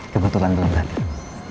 kebetulan belum datang